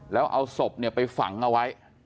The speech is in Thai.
แล้วเอาศพไปฝังเอาไว้